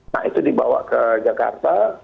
nah itu dibawa ke jakarta